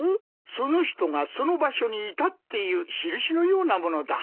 その人がその場所にいたっていう印のようなものだ。